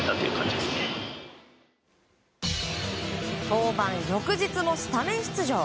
登板翌日もスタメン出場。